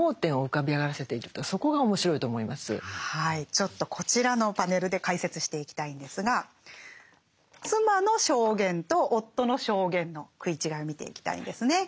ちょっとこちらのパネルで解説していきたいんですが妻の証言と夫の証言の食い違いを見ていきたいんですね。